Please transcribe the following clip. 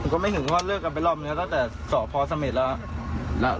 ก็ไม่หึงเพราะเลิกกันไปรอบแม่ตั้งแต่สพมด้แล้ว